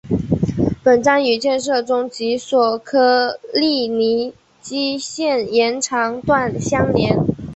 本站与建设中的及索科利尼基线延长段相连。